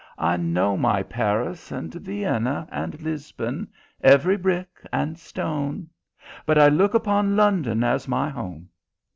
I know my Paris, and Vienna, and Lisbon, every brick and stone, but I look upon London as my home.